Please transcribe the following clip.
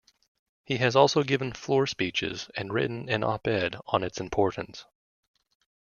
He has also given floor speeches and written an op-ed on its importance.